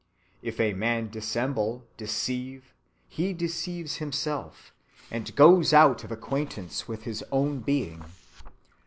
If a man dissemble, deceive, he deceives himself, and goes out of acquaintance with his own being.